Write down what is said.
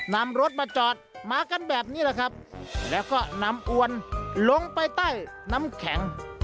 นำรถมาจอดมากันแบบนี้แหละครับแล้วก็นำอวนลงไปใต้น้ำแข็ง